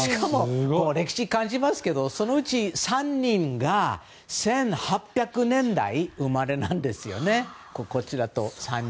歴史を感じますけどそのうち３人が１８００年代の生まれなんですよね。